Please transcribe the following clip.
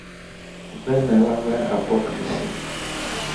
Δεν έλαβε απόκριση.